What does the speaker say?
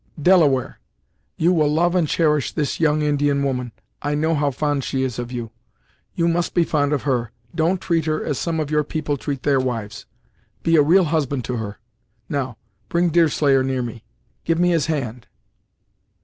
Delaware, you will love and cherish this young Indian woman I know how fond she is of you; you must be fond of her. Don't treat her as some of your people treat their wives; be a real husband to her. Now, bring Deerslayer near me; give me his hand."